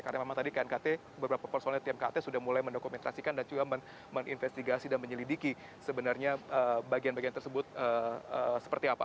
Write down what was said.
karena memang tadi knkt beberapa personelnya tim knkt sudah mulai mendokumentasikan dan juga meninvestigasi dan menyelidiki sebenarnya bagian bagian tersebut seperti apa